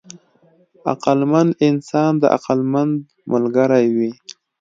عقلمند انسان د عقلمند ملګری وي.